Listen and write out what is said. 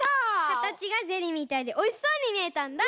かたちがゼリーみたいでおいしそうにみえたんだ。